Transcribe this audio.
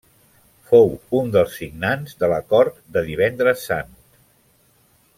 Fou un dels signants de l’Acord de Divendres Sant.